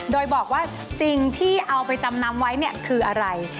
โดยบอกว่าสิ่งที่เอาไปจำนำไว้เนี่ยคืออะไร